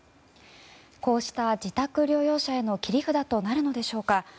こうした自宅療養者への切り札となるのでしょうか。